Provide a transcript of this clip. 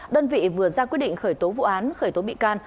đơn vị vừa ra quyết định khởi tố vụ án khởi tố bị can